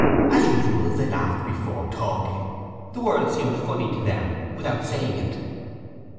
As usual they laughed before talking; the world seemed funny to them without saying it.